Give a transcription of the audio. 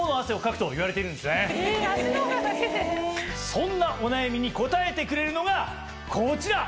そんなお悩みに答えてくれるのがこちら！